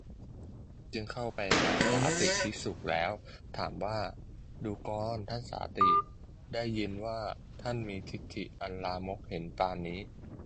จึงเข้าไปหาสาติภิกษุแล้ว ถามว่า ดูกรท่านสาติ ได้ยินว่า ท่านมีทิฏฐิอันลามกเห็นปานนี้